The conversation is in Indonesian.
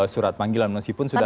surat panggilan meskipun sudah